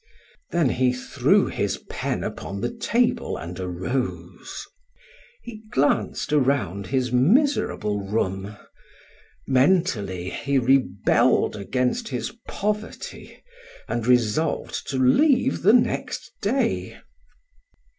Then he threw his pen upon the table and arose. He glanced around his miserable room; mentally he rebelled against his poverty and resolved to leave the next day.